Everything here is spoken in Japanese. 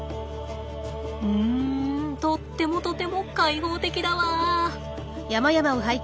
うんとってもとても開放的だわ。